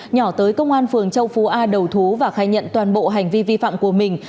nhỏ tới công an phường châu phú a đầu thú và khai nhận toàn bộ hành vi vi phạm của mình